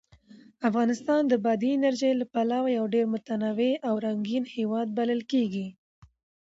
افغانستان د بادي انرژي له پلوه یو ډېر متنوع او رنګین هېواد بلل کېږي.